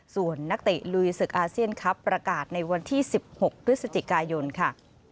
ส่วนนักเตะลุยศึกอาเซียนครับประกาศในวันที่๑๖พฤศจิกายนค่ะ